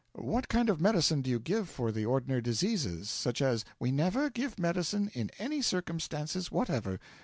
What kind of medicine do you give for the ordinary diseases, such as ' 'We never give medicine in any circumstances whatever!